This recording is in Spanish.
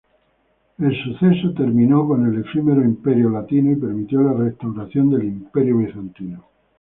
El evento terminó el efímero Imperio latino y permitió la restauración del Imperio bizantino.